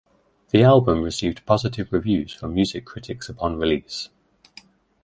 The album received positive reviews from music critics upon release.